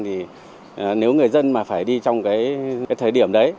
thì nếu người dân mà phải đi trong cái thời điểm đấy